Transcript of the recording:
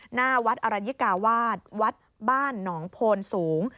หน้าวัดอรัญญิกาวาสวัดบ้านหนองโพนสูง